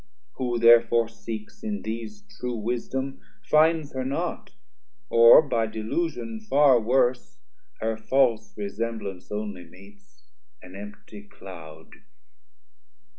Who therefore seeks in these True wisdom, finds her not, or by delusion Far worse, her false resemblance only meets, 320 An empty cloud.